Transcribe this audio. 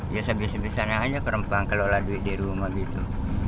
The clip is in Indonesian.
ya sebesar besar aja ke rempang kelola duit di rumah gitu